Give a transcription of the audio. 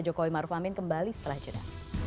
jokowi maruf amin kembali setelah jeda